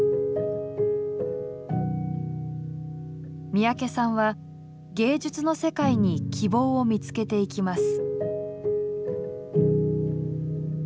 三宅さんは芸術の世界に希望を見つけていきます。